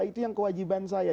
itu yang kewajiban saya